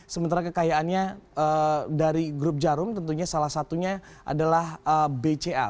sementara kekayaannya dari grup jarum tentunya salah satunya adalah bca